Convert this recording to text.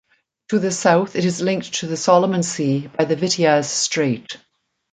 To the south it is linked to the Solomon Sea by the Vitiaz Strait.